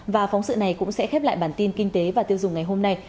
và phóng sự này cũng sẽ khép lại bản tin kinh tế và tiêu dùng ngày hôm nay